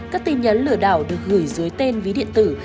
các tin nhắn lừa đảo được gửi dưới tên ví điện tử